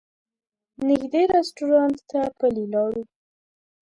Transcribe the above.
نږدې رسټورانټ ته پلي لاړو.